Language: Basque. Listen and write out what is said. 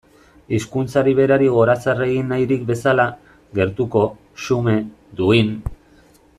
Hizkuntzari berari gorazarre egin nahirik bezala, gertuko, xume, duin.